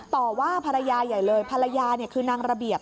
ต่อว่าภรรยาใหญ่เลยภรรยาเนี่ยคือนางระเบียบ